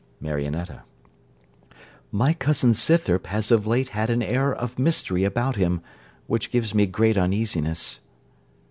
MARIONETTA My cousin Scythrop has of late had an air of mystery about him, which gives me great uneasiness.